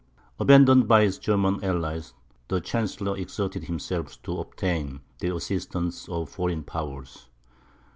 Abandoned by his German allies, the chancellor exerted himself to obtain the assistance of foreign powers.